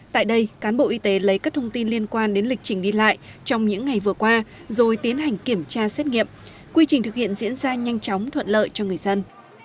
tại đây cán bộ y tế lấy các thông tin liên quan đến lịch trình đi lại trong những ngày vừa qua rồi tiến hành kiểm tra xét nghiệm quy trình thực hiện diễn ra nhanh chóng thuận lợi cho người dân